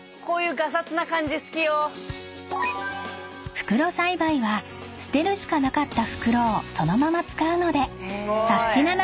［袋栽培は捨てるしかなかった袋をそのまま使うのでサスティな！な